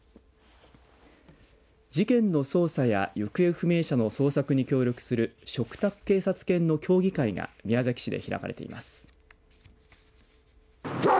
事件の捜査や行方不明者の捜索に協力する嘱託警察犬の競技会が宮崎市で開かれています。